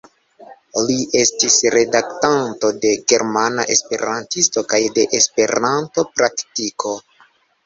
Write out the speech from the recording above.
Li estis redaktanto de Germana Esperantisto kaj de Esperanto-Praktiko.